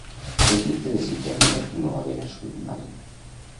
He dit que desitjaria no haver nascut mai.